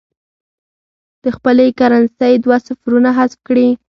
د خپلې کرنسۍ دوه صفرونه حذف کړي.